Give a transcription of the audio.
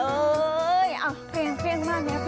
เอ๊เอ่ยเอาเพลงมาเมนิ้ว